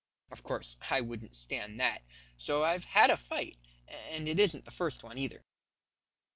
Of course, I wouldn't stand that, so I've had a fight, and it isn't the first one either."